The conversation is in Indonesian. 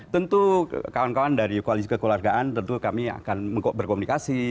tentu kawan kawan dari koalisi kekeluargaan tentu kami akan berkomunikasi